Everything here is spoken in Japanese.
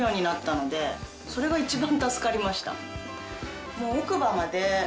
それが一番助かりました。